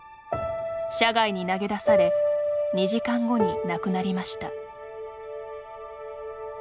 車外に投げ出され２時間後に亡くなりました。